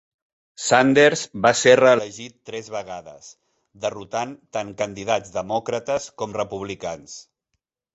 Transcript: Sanders va ser reelegit tres vegades, derrotant tant candidats Demòcrates com Republicans.